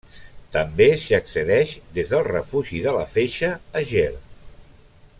També s'hi accedeix des del Refugi de la Feixa a Ger.